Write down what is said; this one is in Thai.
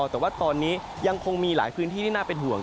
แต่ว่าตอนนี้ยังคงมีหลายพื้นที่ที่น่าเป็นห่วง